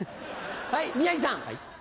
はい宮治さん。